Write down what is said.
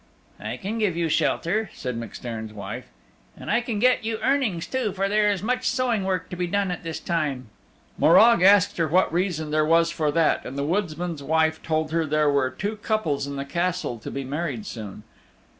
"I can give you shelter," said MacStairn's wife, "and I can get you earnings too, for there is much sewing work to be done at this time." Morag asked her what reason there was for that, and the woodman's wife told her there were two couples in the Castle to be married soon.